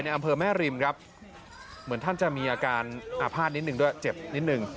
อำเภอแม่ริมครับเหมือนท่านจะมีอาการอาภาษณ์นิดหนึ่งด้วยเจ็บนิดนึง